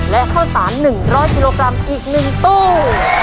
และข้าวสาร๑๐๐กิโลกรัมอีก๑ตู้